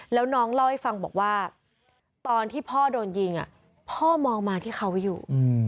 แล้วน้องเล่าให้ฟังบอกว่าตอนที่พ่อโดนยิงพ่อมองมาที่เขาอยู่